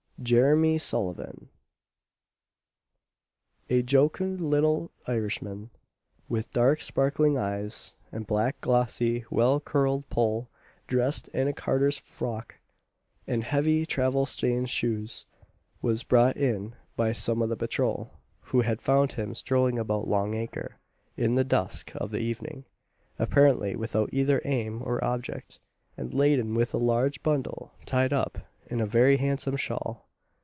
JEMMY SULLIVAN. A jocund little Irishman, with dark sparkling eyes and black glossy well curled poll, dressed in a carter's frock, and heavy travel stained shoes, was brought in by some of the patrol, who had found him strolling about Long acre, in the dusk of the evening, apparently without either aim or object, and laden with a large bundle tied up in a very handsome shawl.